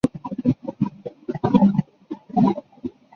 梅莉达是皮克斯动画电影中的第一位女性主角。